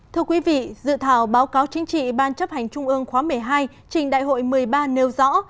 thưa quý vị dự thảo báo cáo chính trị ban chấp hành trung ương khóa một mươi hai trình đại hội một mươi ba nêu rõ